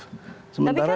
tapi kan menjadi aneh